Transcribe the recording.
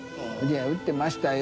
「打ってましたよ」